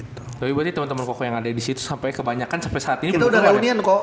tapi berarti temen temen koko yang ada disitu sampe kebanyakan sampe saat ini